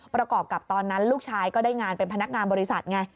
ประกอบกับตอนนั้นลูกชายก็ได้งานเป็นพนักงานบริษัทไง